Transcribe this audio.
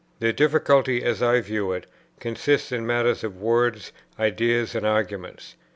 Their difficulty, as I view it, consisted in matters of words, ideas, and arguments.